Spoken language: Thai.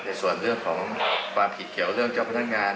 ในส่วนของความผิดเกี่ยวเรื่องเจ้าพนักงาน